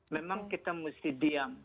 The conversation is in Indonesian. memang kita mesti diam